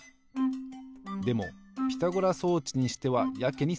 でもピタゴラ装置にしてはやけにスカスカ。